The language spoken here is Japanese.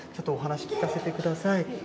ちょっとお話聞かせてください。